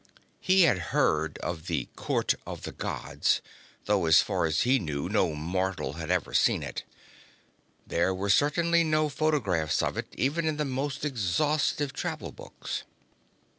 He had heard of the Court of the Gods, though as far as he knew no mortal had ever seen it. There were certainly no photographs of it, even in the most exhaustive travel books.